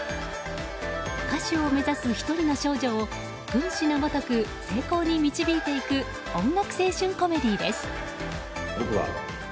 歌手を目指す１人の少女を軍師のごとく成功に導いていく音楽青春コメディーです。